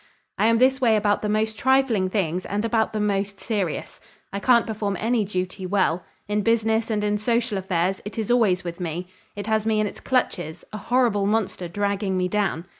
I am this way about the most trifling things and about the most serious. I can't perform any duty well. In business and in social affairs, it is always with me. It has me in its clutches, a horrible monster dragging me down.